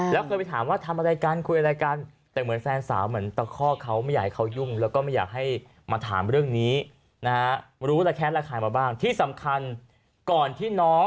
แล้วเคยไปถามว่าทำอะไรกันคุยอะไรกัน